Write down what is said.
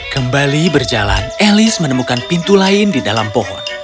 kembali berjalan elis menemukan pintu lain di dalam pohon